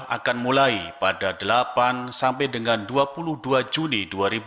akan mulai pada delapan sampai dengan dua puluh dua juni dua ribu dua puluh